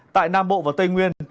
tại nam bộ và tây nguyên